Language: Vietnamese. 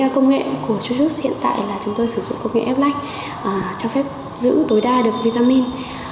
công nghệ của jujui hiện tại là chúng tôi sử dụng công nghệ ép lách cho phép giữ tối đa được vitamin